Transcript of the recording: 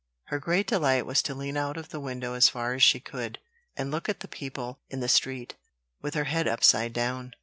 Her great delight was to lean out of the window as far as she could, and look at the people in the street, with her head upside down.